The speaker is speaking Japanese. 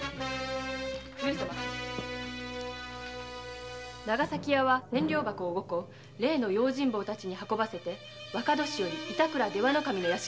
上様長崎屋は千両箱を五個例の用心棒たちに運ばせて板倉出羽守の屋敷へ。